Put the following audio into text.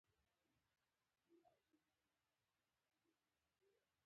په ټوله لاره دوه درې ځایه ودرېدو.